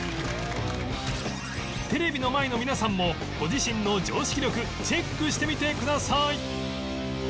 テレビの前の皆さんもご自身の常識力チェックしてみてください